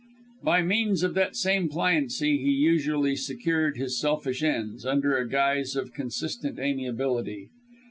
By means of that same pliancy he usually secured his selfish ends, under a guise of consistent amiability.